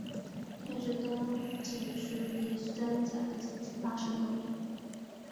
殿试登进士第三甲第八十六名。